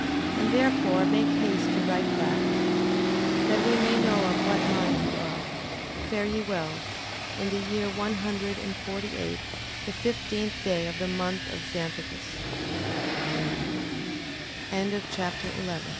And therefore make haste to write back, that we may know of what mind you are. 11:38. Fare ye well. In the year one hundred and forty eight, the fifteenth day of the month